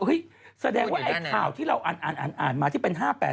เฮ้ยแสดงว่าข่าวที่เราอ่านมาที่เป็น๕๘